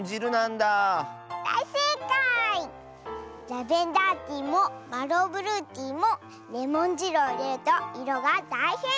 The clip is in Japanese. ラベンダーティーもマローブルーティーもレモンじるをいれるといろがだいへんしんするのです。